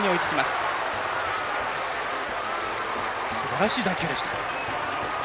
すばらしい打球でした。